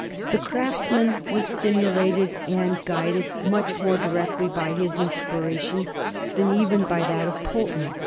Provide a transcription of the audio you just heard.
The Craftsman was stimulated and guided much more directly by his inspiration than even by that of Pulteney.